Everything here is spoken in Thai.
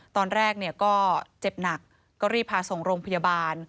ตอนแรกก็เจ็บหนักก็รีบพาส่งโรงพยาบาล